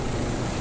あ！